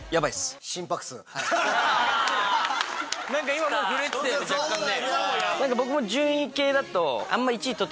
今もう震えてたよね若干ね。